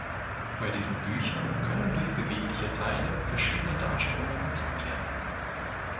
Bei diesen Büchern können durch bewegliche Teile verschiedene Darstellungen erzeugt werden.